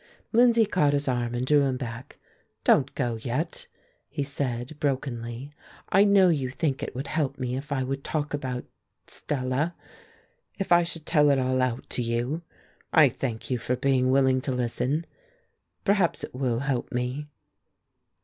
Lindsay caught his arm and drew him back. "Don't go yet," he said, brokenly. "I know you think it would help me if I would talk about Stella; if I should tell it all out to you. I thank you for being willing to listen. Perhaps it will help me."